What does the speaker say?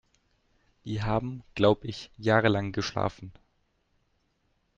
Die haben, glaub ich, jahrelang geschlafen.